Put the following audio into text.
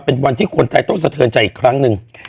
เป็นวันที่คนไทยต้องสะเทือนใจอีกครั้งหนึ่ง